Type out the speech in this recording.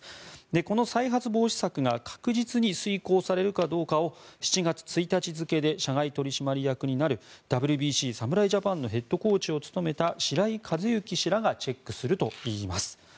この再発防止策が確実に遂行されるかどうかを７月１日付で社外取締役になるＷＢＣ侍ジャパンのヘッドコーチを務めた白井一幸氏らがチェックするといいます。